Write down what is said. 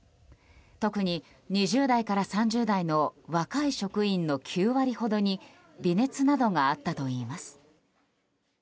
特に２０代から３０代の若い職員の９割ほどに微熱などがあったといいます。